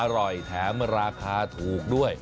อร่อยแถมราคาถูกด้วย